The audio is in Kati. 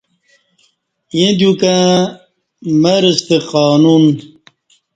ییں دیوکہ مرہ ستہ قانون